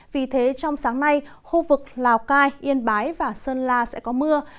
vì thế trong sáng nay khu vực lào cai yên bái và sơn la sẽ có mưa